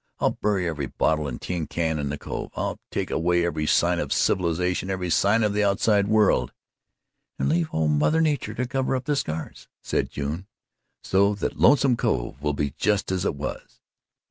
I'll bury every bottle and tin can in the Cove. I'll take away every sign of civilization, every sign of the outside world." "And leave old Mother Nature to cover up the scars," said June. "So that Lonesome Cove will be just as it was."